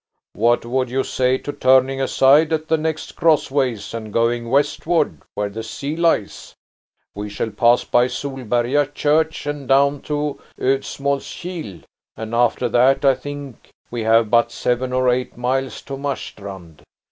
"What would you say to turning aside at the next crossways and going westward where the sea lies? We shall pass by Solberga church and down to Odsmalskil, and after that I think we have but seven or eight miles to Marstrand.